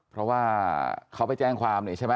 เพราะว่าเขาไปแจ้งความเนี่ยใช่ไหม